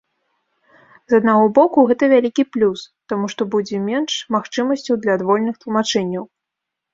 З аднаго боку, гэта вялікі плюс, таму што будзе менш магчымасцяў для адвольных тлумачэнняў.